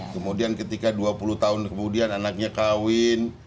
kemudian ketika dua puluh tahun kemudian anaknya kawin